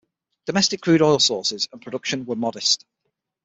Domestic crude oil sources and production were modest.